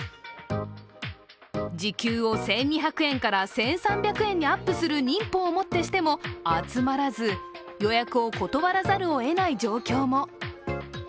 時給を１２００円から１３００円にアップする忍法をもってしても集まらず、予約を断らざるを得ない状況も。